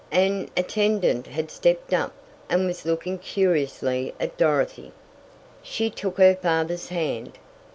An attendant had stepped up, and was looking curiously at Dorothy. She took her father's hand.